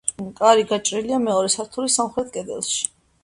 კარი გაჭრილია მეორე სართულის სამხრეთ კედელში.